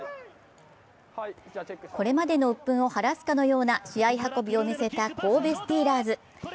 これまでのうっぷんを晴らすかのような試合運びを見せた神戸スティーラーズ。